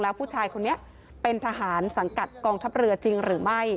แล้วผู้ชายคนนี้เป็นทหารสังกัดกองทัพเรือจริงหรือไม่